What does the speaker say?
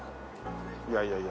いやいやいや。